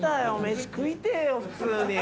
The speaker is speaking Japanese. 飯食いてえよ普通に。